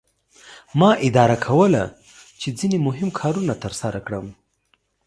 ما اداره کوله چې ځینې مهم کارونه ترسره کړم.